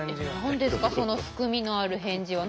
何ですかその含みのある返事は。